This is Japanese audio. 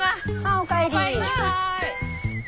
お帰りなさい。